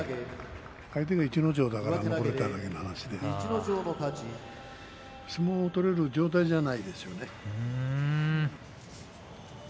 相手が逸ノ城だからってだけの話で、相撲を取れる状態じゃないですよね。